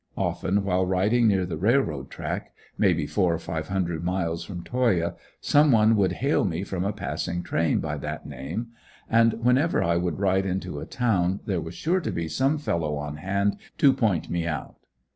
Often while riding near the railroad track, maybe four or five hundred miles from Toyah, some one would hail me from a passing train by that name; and whenever I would ride into a town there was sure to be some fellow on hand to point me out.